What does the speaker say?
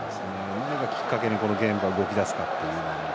何をきっかけにこのゲームが動き出すかっていう。